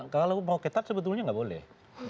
kalau mau ketat sebetulnya nggak boleh